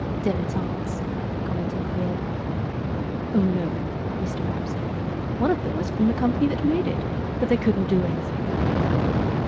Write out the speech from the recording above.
"Dilettantes," commented the beard. "Oh, no," Mr. Rapp said. "One of them was from the company that made it. But they couldn't do anything."